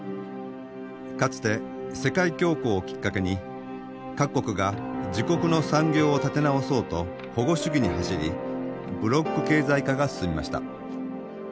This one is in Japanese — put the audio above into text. かつて世界恐慌をきっかけに各国が自国の産業を立て直そうと保護主義に走りブロック経済化が進みました。